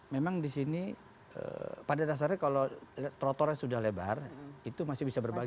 memang di sini pada dasarnya kalau trotoarnya sudah lebar itu masih bisa berbagi